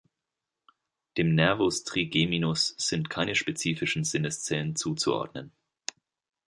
Dem Nervus trigeminus sind keine spezifischen Sinneszellen zuzuordnen.